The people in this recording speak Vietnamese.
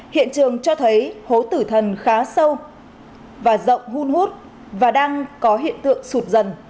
hiện trường cho thấy hố tử thần khá sâu và rộng hun hút và đang có hiện tượng sụt dần